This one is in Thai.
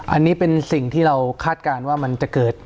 อันนี้เป็นสิ่งที่เราคาดการณ์ว่ามันจะเกิด